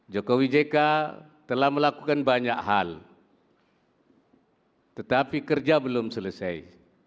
jokowi jk telah melakukan banyak hal tetapi kerja belum selesai